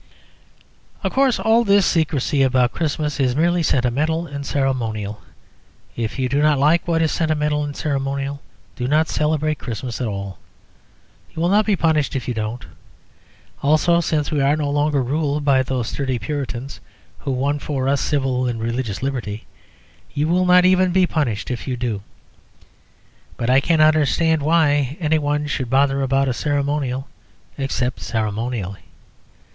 Of course, all this secrecy about Christmas is merely sentimental and ceremonial; if you do not like what is sentimental and ceremonial, do not celebrate Christmas at all. You will not be punished if you don't; also, since we are no longer ruled by those sturdy Puritans who won for us civil and religious liberty, you will not even be punished if you do. But I cannot understand why any one should bother about a ceremonial except ceremonially.